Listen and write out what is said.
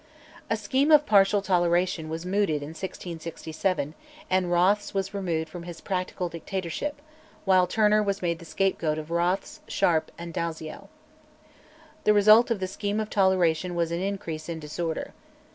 A scheme of partial toleration was mooted in 1667, and Rothes was removed from his practical dictatorship, while Turner was made the scapegoat of Rothes, Sharp, and Dalziel. The result of the scheme of toleration was an increase in disorder.